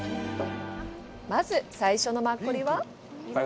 まず、最初のマッコリは？